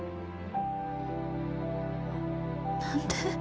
何で？